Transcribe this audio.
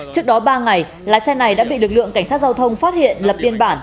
trước đó ba ngày lái xe này đã bị lực lượng cảnh sát giao thông phát hiện lập biên bản